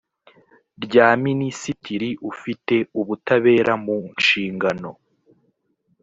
rya minisitiri ufite ubutabera mu nshingano